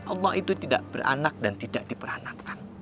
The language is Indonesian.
allah itu tidak beranak dan tidak diperanatkan